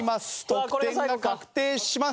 得点が確定します。